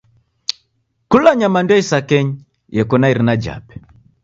Kula nyamandu ya isakenyi eko na irina jape.